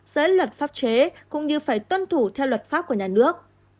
giữa luật pháp chế cũng như phải tuân thủ theo luật pháp của nhà nước